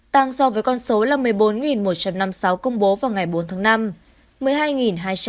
tăng so với con số là một mươi bốn một trăm năm mươi sáu công bố vào ngày bốn tháng năm